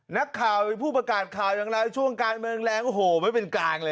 นักข่าวเป็นผู้ประกาศข่าวอย่างไรช่วงการเมืองแรงโอ้โหไม่เป็นกลางเลย